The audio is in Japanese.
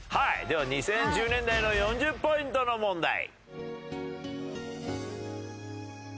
では２０１０年代の４０ポイントの問題。